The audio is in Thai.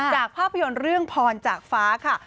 ภาพยนตร์เรื่องพรจากฟ้าค่ะ